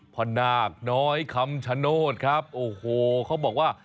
นาคน้อยคำชโนธครับโอ้โหเขาบอกว่า